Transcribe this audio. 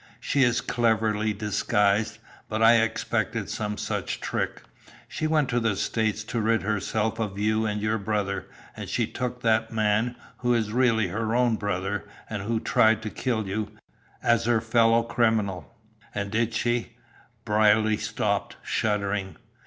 She is cleverly disguised, but I expected some such trick. She went to 'the States' to rid herself of you and your brother; and she took that man, who is really her own brother, and who tried to kill you, as her fellow criminal." "And did she " Brierly stopped, shuddering.